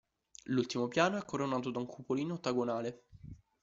L'ultimo piano è coronato da un cupolino ottagonale.